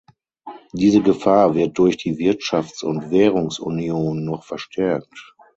Diese Gefahr wird durch die Wirtschafts- und Währungsunion noch verstärkt.